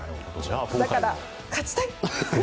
だから、勝ちたい！